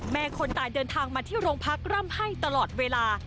คนตายเดินทางมาที่โรงพักร่ำให้ตลอดเวลา